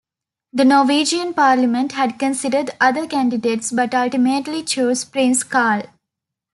The Norwegian parliament had considered other candidates but ultimately chose Prince Carl.